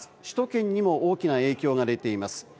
首都圏にも大きな影響が出ています。